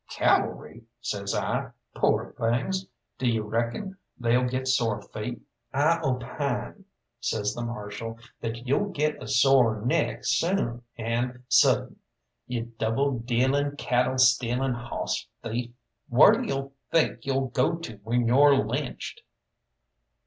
"Cavalry?" says I. "Pore things; d'you reckon they'll get sore feet?" "I opine," says the Marshal, "that you'll get a sore neck soon and sudden, you double dealing, cattle stealing, hoss thief. Whar do you think you'll go to when you're lynched?"